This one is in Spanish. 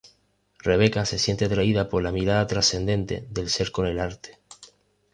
Rebeca se siente atraída por la mirada trascendente del ser con el arte.